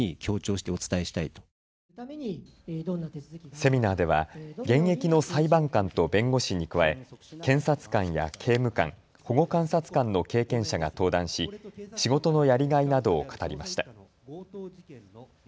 セミナーでは現役の裁判官と弁護士に加え検察官や刑務官、保護観察官の経験者が登壇し仕事のやりがいなどを語りました。